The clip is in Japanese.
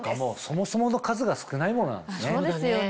そもそもの数が少ないものなんだね。